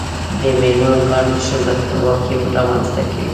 د میرمنو کار د ښځو خپلواکي رامنځته کوي.